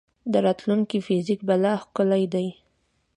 د راتلونکي فزیک به لا ښکلی دی.